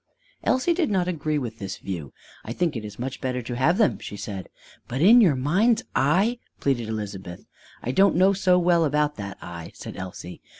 Elsie did not agree with this view. "I think it is much better to have them," she said. "But in your mind's eye " pleaded Elizabeth. "I don't know so well about that eye!" said Elsie.